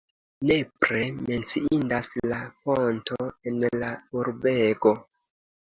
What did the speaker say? Nepre menciindas la ponto en la urbego.